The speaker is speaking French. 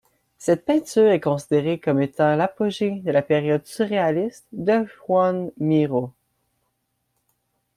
Cette peinture est considérée comme étant l'apogée de la période surréaliste de Joan Miró.